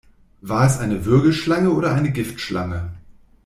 War es eine Würgeschlange oder eine Giftschlange?